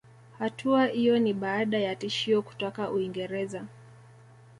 Hatua iyo ni baada ya tishio kutoka Uingereza